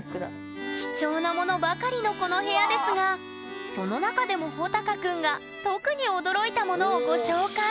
貴重なものばかりのこの部屋ですがその中でもほたかくんが特に驚いたものをご紹介！